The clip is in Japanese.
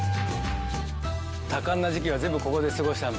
多感な時期は全部ここで過ごしたのではい。